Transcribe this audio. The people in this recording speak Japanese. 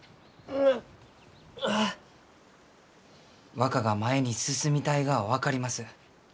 若が前に進みたいがは分かります。